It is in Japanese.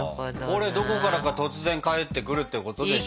これどこからか突然帰ってくるってことでしょ？